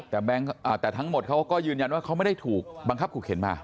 แต่ทั้งหมดเขาก็ยืนยันว่าเขาไม่ได้ถูกบังคับขู่เข็นมา